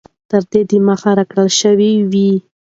تر دې د مخه را كړل شوي وې